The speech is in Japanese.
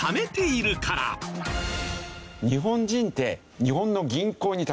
日本人って。